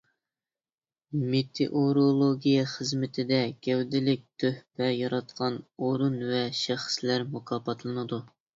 مېتېئورولوگىيە خىزمىتىدە گەۋدىلىك تۆھپە ياراتقان ئورۇن ۋە شەخسلەر مۇكاپاتلىنىدۇ.